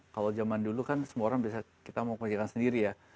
kalau zaman dulu kan semua orang bisa kita mau kerjakan sendiri ya